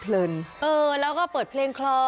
เออแล้วก็เปิดเพลงคลอ